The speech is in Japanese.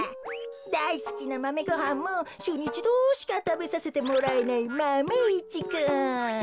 だいすきなマメごはんもしゅうにいちどしかたべさせてもらえないマメ１くん。